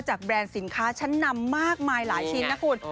แบรนด์สินค้าชั้นนำมากมายหลายชิ้นนะคุณ